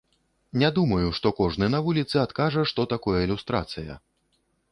Не думаю, што кожны на вуліцы адкажа, што такое люстрацыя.